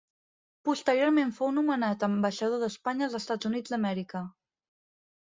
Posteriorment fou nomenat ambaixador d'Espanya als Estats Units d'Amèrica.